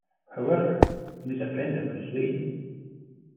However, he was a friend of Bruce Wayne.